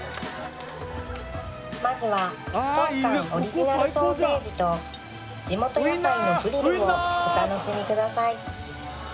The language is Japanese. まずは当館オリジナルソーセージと地元野菜のグリルをお楽しみください